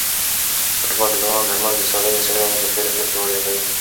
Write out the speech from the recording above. فوټبال د ځوانانو ترمنځ د سالمې سیالۍ او ملګرتیا روحیه پیاوړې کوي.